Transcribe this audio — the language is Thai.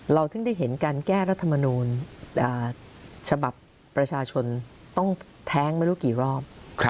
ถึงได้เห็นการแก้รัฐมนูลฉบับประชาชนต้องแท้งไม่รู้กี่รอบ